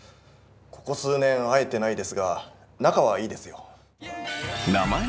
ここ数年会えてないですが仲はいいですよ。